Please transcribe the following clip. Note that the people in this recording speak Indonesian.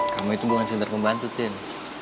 kamu itu bukan cender pembantu tin